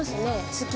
好き。